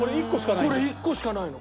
これ１個しかないんだ。